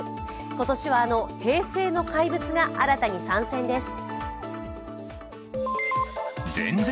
今年はあの平成の怪物が新たに参戦です。